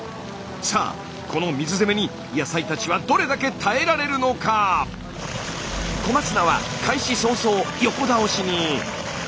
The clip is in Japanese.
さあこの水攻めに野菜たちはどれだけ耐えられるのか⁉小松菜は開始早々横倒しに。